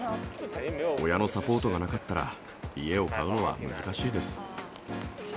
親のサポートがなかったら、家を買うのは難しいです。